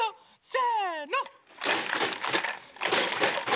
せの！